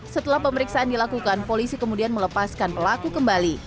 setelah pemeriksaan dilakukan polisi kemudian melepaskan pelaku kembali